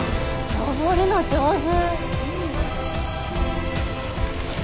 登るの上手！